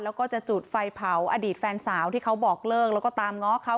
แล้วก็จะจุดไฟเผาอดีตแฟนสาวที่เขาบอกเลิกแล้วก็ตามง้อเขา